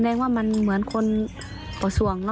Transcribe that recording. แสดงว่ามันเหมือนคนป่าวส่วงหรอ